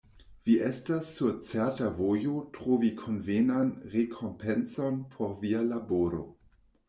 Vi estas sur certa vojo, trovi konvenan rekompencon por Via laboro!